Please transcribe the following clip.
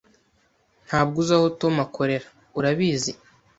Ntabwo uzi aho Tom akorera, urabizi?